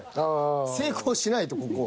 成功しないとここは。